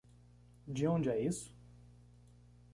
De onde é isso?